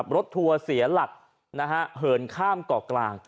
รถทัวร์เสียหลักเหินข้ามเกาะกลาง